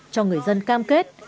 cho người dân cam kết